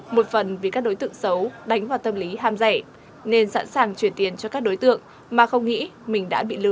một phần vì các đối tượng xấu đánh vào tâm lý ham rẻ nên sẵn sàng chuyển tiền cho các đối tượng mà không nghĩ mình đã bị lừa